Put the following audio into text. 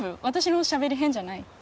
私のしゃべり変じゃない？